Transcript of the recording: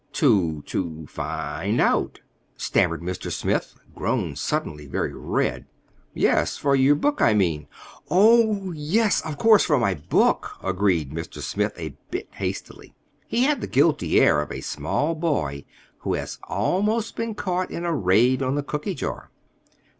"To—to—f find out—" stammered Mr. Smith, grown suddenly very red. "Yes, for your book, I mean." "Oh, yes—of course; for my book," agreed Mr. Smith, a bit hastily. He had the guilty air of a small boy who has almost been caught in a raid on the cooky jar.